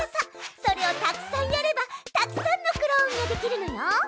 それをたくさんやればたくさんのクローンができるのよ。